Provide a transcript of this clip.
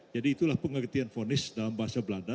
jadi itulah pengertian vonis dalam bahasa belanda